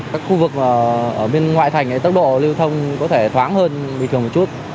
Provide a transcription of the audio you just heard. các khu vực ở bên ngoại thành tốc độ lưu thông có thể thoáng hơn bình thường một chút